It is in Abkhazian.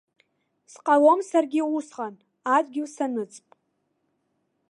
Сҟалом саргьы усҟан, адгьыл саныҵп.